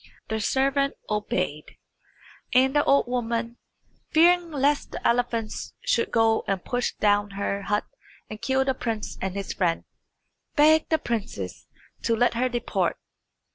The servant obeyed, and the old woman, fearing lest the elephants should go and push down her hut and kill the prince and his friend, begged the princess to let her depart.